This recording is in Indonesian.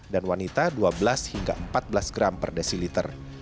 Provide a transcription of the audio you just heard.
dan wanita dua belas hingga empat belas gram per desiliter